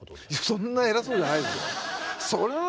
そんな偉そうじゃないですよ。